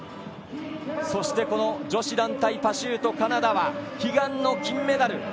そして、この女子団体パシュートカナダは悲願の金メダル。